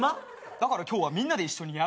だから今日はみんなで一緒にやろうよ。